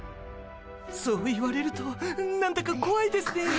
そう言われると何だかこわいですね。